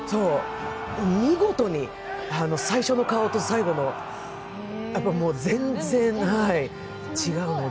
見事に最初の顔と最後のは全然違うので。